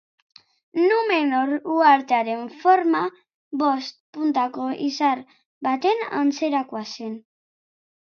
Numenor uhartearen forma, bost puntako izar baten antzerakoa zen.